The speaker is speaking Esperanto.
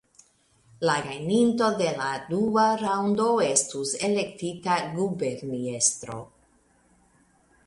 La gajninto de la dua raŭndo estus elektita guberniestro.